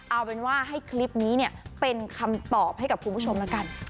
เอาเป็นว่าให้คลิปนี้เนี่ยเป็นคำตอบให้กับคุณผู้ชมแล้วกัน